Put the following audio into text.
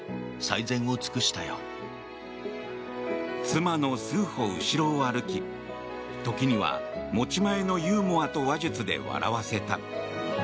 妻の数歩後ろを歩き時には持ち前のユーモアと話術で笑わせた。